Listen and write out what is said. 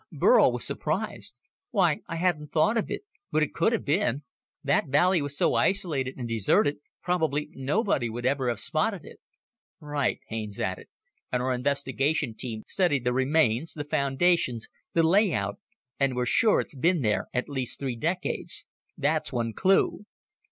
Burl was surprised. "Why ... I hadn't thought of it but it could have been. That valley was so isolated and deserted, probably nobody would ever have spotted it. "Right," Haines added, "and our investigation team studied the remains, the foundations, the layout, and we're sure it's been there at least three decades. That's one clue.